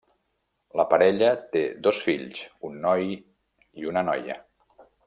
La parella té dos fills un noi i una noia.